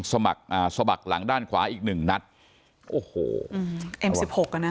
สมัครอ่าสมัครหลังด้านขวาอีกหนึ่งนัดโอ้โหอืมเอ็มสิบหกอ่ะนะ